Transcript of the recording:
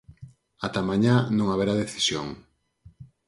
Ata mañá non haberá decisión.